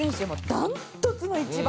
断トツの１番。